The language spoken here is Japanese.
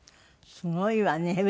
すごいわね。